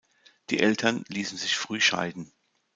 Die Eltern ließen sich früh scheiden.